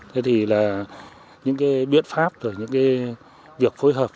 thế thì là những cái biện pháp rồi những cái việc phối hợp